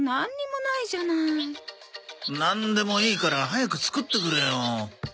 なんでもいいから早く作ってくれよ。